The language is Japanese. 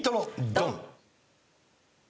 ドン！